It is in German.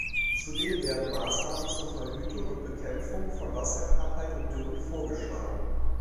Zudem werden Maßnahmen zur Verhütung und Bekämpfung von Wasserknappheit und Dürren vorgeschlagen.